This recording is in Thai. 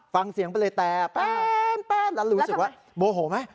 ฟังเสียงไปเลยแต่แป๊บแล้วรู้สึกว่าโมโหไหม